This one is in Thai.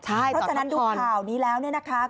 เพราะฉะนั้นดูข่าวนี้แล้วเนี่ยนะคะ